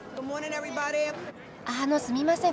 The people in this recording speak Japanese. あのすみません。